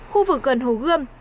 khu vực gần hồ gươm